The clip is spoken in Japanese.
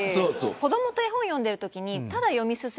子どもと絵本を読んでるときにただ読み進めるより